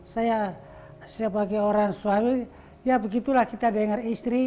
saya sebagai orang suami ya begitulah kita dengar istri